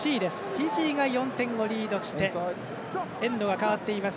フィジーが４点リードしてエンドが替わっています。